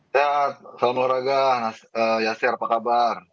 sehat salam olahraga nas ya sehat apa kabar